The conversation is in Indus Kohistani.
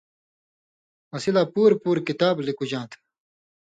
اسی لا پُور پُور کِتابہ لِکُژاں تھہ